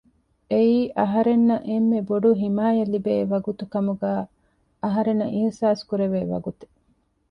އެއީ އަހަރެންނަށް އެންމެ ބޮޑު ޙިމާޔަތް ލިބޭ ވަގުތު ކަމުގައި އަހަރެންނަށް އިޙްސާސް ކުރެވޭ ވަގުތެއް